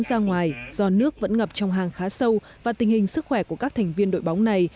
ra ngoài do nước vẫn ngập trong hang khá sâu và tình hình sức khỏe của các thành viên đội bóng này